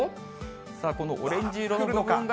さあ、このオレンジ色の部分が。